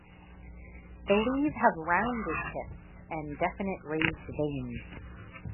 The leaves have rounded tips, and definite raised veins.